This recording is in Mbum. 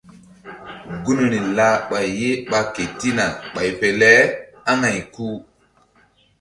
Gunri lah ɓay ye ɓa ketina ɓay fe le aŋay ku.